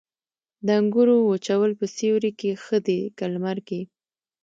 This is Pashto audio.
د انګورو وچول په سیوري کې ښه دي که لمر کې؟